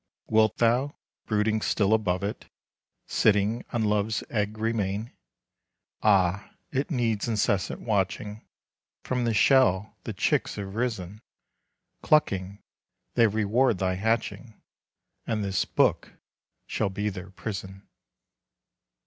Wilt thou, brooding still above it, Sitting on love's egg remain! Ah, it needs incessant watching; From the shell the chicks have risen. Clucking, they reward thy hatching, And this book shall be their prison."